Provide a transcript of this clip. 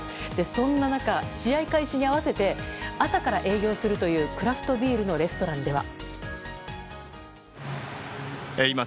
そんな中、試合開始に合わせて朝から営業するというクラフトビールのレストランでは。